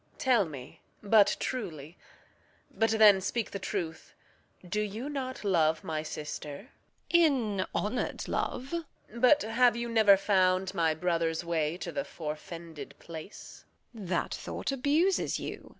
Tell me but truly but then speak the truth Do you not love my sister? Edm. In honour'd love. Reg. But have you never found my brother's way To the forfended place? Edm. That thought abuses you.